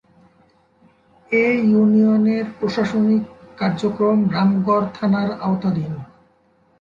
এ ইউনিয়নের প্রশাসনিক কার্যক্রম রামগড় থানার আওতাধীন।